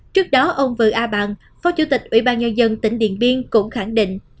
trước đó ông vư a bằng phó chủ tịch ủy ban nhân dân tỉnh điện biên cũng khẳng định